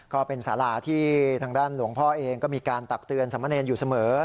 ก็เป็นสาราที่ทางด้านหลวงพ่อเองก็มีการตักเตือนสมเนรอยู่เสมอ